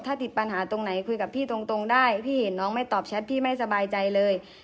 ถ้าติดปัญหาตรงไหนคุยกับพี่ตรงได้พี่เห็นน้องไม่ตอบแชทพี่ไม่สบายใจเลย